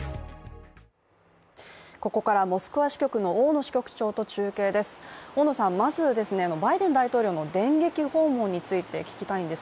ここからモスクワ支局の大野支局長と中継です。